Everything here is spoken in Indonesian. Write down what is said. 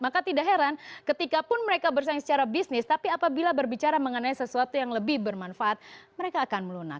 maka tidak heran ketikapun mereka bersaing secara bisnis tapi apabila berbicara mengenai sesuatu yang lebih bermanfaat mereka akan melunak